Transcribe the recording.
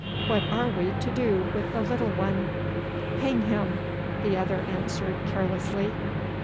What are we to do with the little one?' 'Hang him,' the other answered carelessly.